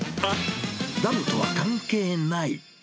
ダムとは関係ない？